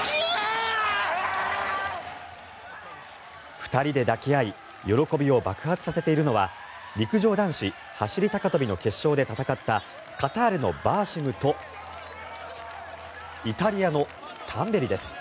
２人で抱き合い喜びを爆発させているのは陸上男子走高跳の決勝で戦ったカタールのバーシムとイタリアのタンベリです。